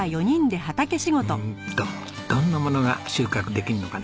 うーんっとどんなものが収穫できるのかな？